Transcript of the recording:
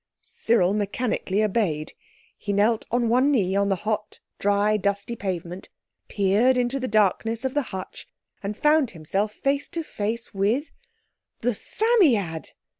Cyril mechanically obeyed. He knelt on one knee on the dry, hot dusty pavement, peered into the darkness of the hutch and found himself face to face with—the Psammead!